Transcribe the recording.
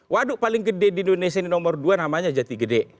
waduk paling gede di indonesia ini nomor dua namanya jati gede